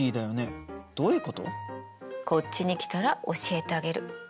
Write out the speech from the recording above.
こっちに来たら教えてあげる。